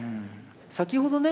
先ほどね